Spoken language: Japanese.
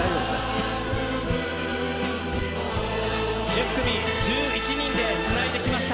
１０組１１人でつないできました。